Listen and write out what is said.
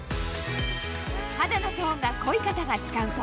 肌のトーンが濃い方が使うと